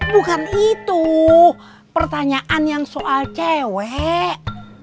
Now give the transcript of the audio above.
bukan itu pertanyaan yang soal cewek